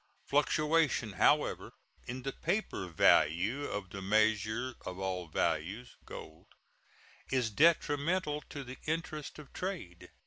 Fluctuation, however, in the paper value of the measure of all values (gold) is detrimental to the interests of trade.